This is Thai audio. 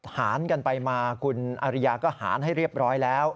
หารกันไปมาคุณอริยาก็หารให้เรียบร้อยแล้ว